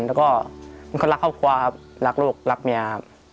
แล้วก็เป็นคนรักครอบครัวครับรักลูกรักเมียครับ